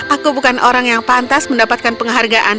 aku bukan orang yang pantas mendapatkan penghargaan